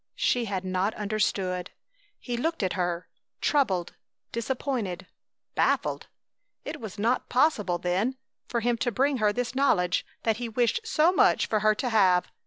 She had not understood. He looked at her, troubled, disappointed, baffled. It was not possible, then, for him to bring her this knowledge that he wished so much for her to have.